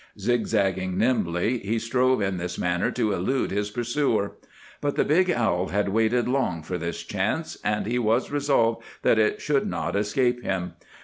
Zigzagging nimbly, he strove in this manner to elude his pursuer. But the big owl had waited long for this chance, and he was resolved that it should not escape him.